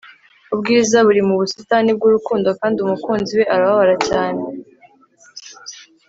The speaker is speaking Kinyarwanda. ubwiza buri mu busitani bwurukundo, kandi umukunzi we arababara cyane